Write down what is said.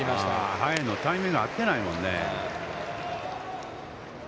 速いのタイミング合ってないもんね。